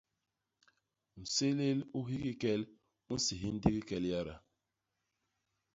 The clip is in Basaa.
Nsélél u hikii kel u nséhi ndik kel yada.